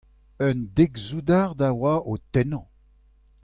Un dek soudard a oa o tennañ.